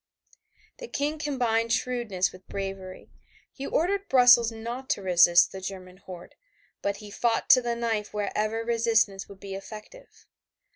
The King combined shrewdness with bravery. He ordered Brussels not to resist the German horde, but he fought to the knife wherever resistance would be effective.